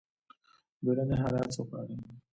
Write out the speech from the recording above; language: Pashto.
بیړني حالات څه غواړي؟